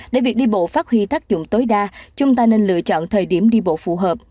để việc đi bộ phát huy tác dụng tối đa chúng ta nên lựa chọn thời điểm đi bộ phù hợp